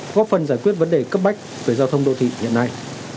góp phần giải quyết vấn đề cấp bách về giao thông đô thị hiện nay